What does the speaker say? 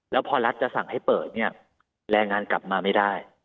แล้วพอรัฐจะสั่งให้เปิดเนี่ยแรงงานกลับมาไม่ได้